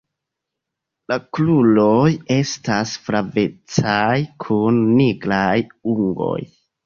La kruroj estas flavecaj kun nigraj ungoj.